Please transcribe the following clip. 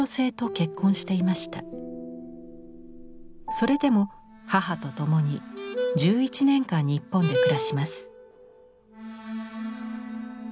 それでも母と共に１１年間日本で暮らします。